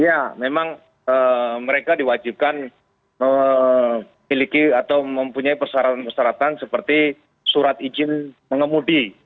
ya memang mereka diwajibkan memiliki atau mempunyai persyaratan persyaratan seperti surat izin mengemudi